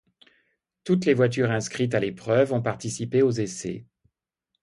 Toutes les voitures inscrites à l'épreuve ont participé aux essais.